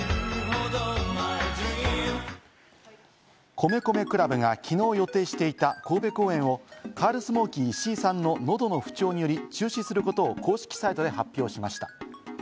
米米ＣＬＵＢがきのう予定していた神戸公演をカールスモーキー石井さんの喉の不調により、中止することを公式サイトで発表しました。